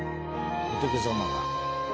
仏様が。